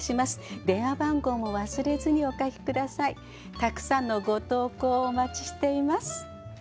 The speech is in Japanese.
たくさんのご投稿をお待ちしています。